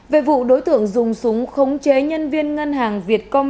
về vụ đối tượng dùng súng khống chế nhân viên ngân hàng việt công